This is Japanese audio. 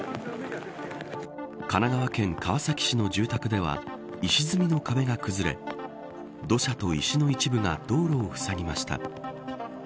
神奈川県川崎市の住宅では石積みの壁が崩れ土砂と石の一部が道路をふさぎました。